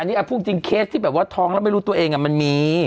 อันนี้พูดจริงเคสที่แบบว่าท้องแล้วไม่รู้ตัวเองมันมี